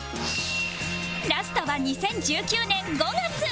ラストは２０１９年５月